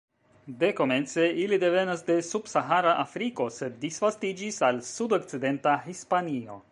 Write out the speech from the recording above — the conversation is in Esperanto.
Dekomence ili devenas de subsahara Afriko, sed disvastiĝis al sudokcidenta Hispanio.